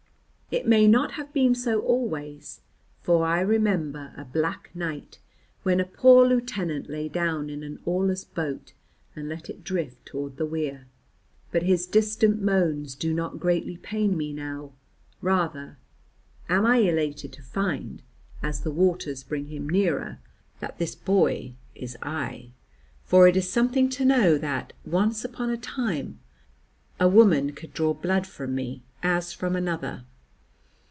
It may not have been so always, for I remember a black night when a poor lieutenant lay down in an oarless boat and let it drift toward the weir. But his distant moans do not greatly pain me now; rather am I elated to find (as the waters bring him nearer) that this boy is I, for it is something to know that, once upon a time, a woman could draw blood from me as from another.